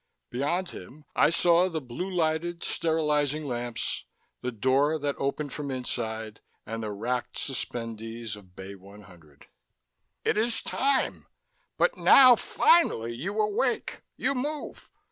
Beyond him, I saw the blue lighted sterilizing lamps, the door that opened from inside, and the racked suspendees of Bay 100. "It is time! But now finally you awake, you move!"